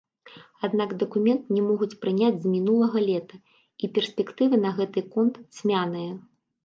Аднак дакумент не могуць прыняць з мінулага лета, і перспектывы на гэты конт цьмяныя.